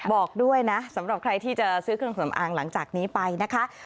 บอกด้วยนะสำหรับใครที่จะซื้อเครื่องสำอางหลังจากนี้ไปนะคะ